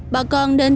bà con đến tìm